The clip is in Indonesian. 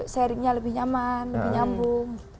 sharingnya lebih nyaman lebih nyambung